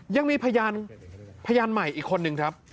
ยังมีพยานใหม่อีกคนนึงครับ